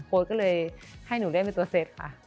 ก็เลยให้หนูได้เป็นตัวเซตค่ะ